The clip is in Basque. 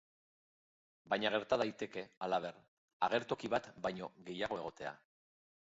Baina gerta daiteke, halaber, agertoki bat baino gehiago egotea.